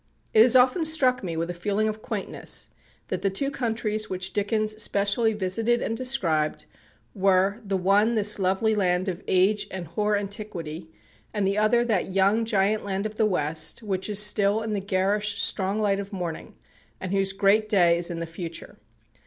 It has often struck me with a feeling of quaintness that the two countries which Dickens specially visited and described, were, the one this lovely land of age and hoar antiquity, and the other that young giant land of the West, which is still in the garish strong light of morning, and whose great day is in the future.